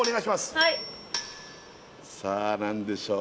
はいさあ何でしょう？